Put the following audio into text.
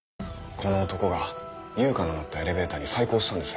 この男が悠香の乗ったエレベーターに細工をしたんです。